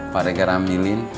pak regar ambilin